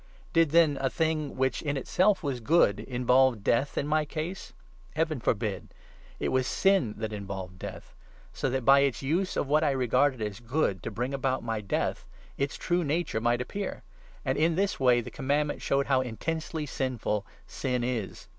Did, then, a thing, which in itself was good, involve Death in 13 my case ? Heaven forbid ! It was sin that involved Death ; so that, by its use of what I regarded as good to bring about my Death, its true nature might appear ; and in this way the Com mandment showed how intensely sinful sin is.